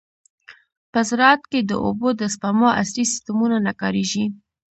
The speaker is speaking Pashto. په زراعت کې د اوبو د سپما عصري سیستمونه نه کارېږي.